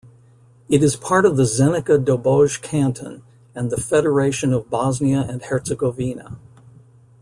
It is part of the Zenica-Doboj Canton and the Federation of Bosnia and Herzegovina.